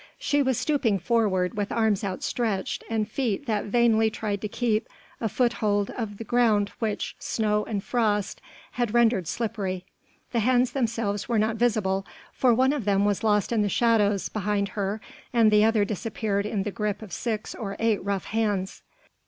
She was stooping forward, with arms outstretched and feet that vainly tried to keep a foothold of the ground which snow and frost had rendered slippery. The hands themselves were not visible, for one of them was lost in the shadows behind her and the other disappeared in the grip of six or eight rough hands.